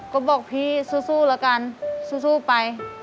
ก็บอกพี่สู้แล้วกันสู้ไป